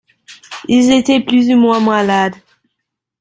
Ils étaient plus ou moins malades.